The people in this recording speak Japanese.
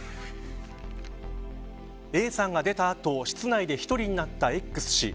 Ａさんが出た後、室内で１人でになったＸ氏。